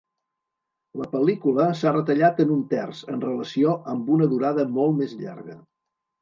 La pel·lícula s"ha retallat en un terç, en relació amb una durada molt més llarga.